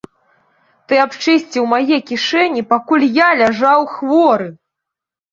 Ты абчысціў мае кішэні, пакуль я ляжаў хворы!